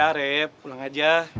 yaudah rep pulang aja